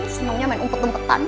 senengnya main umpet umpetan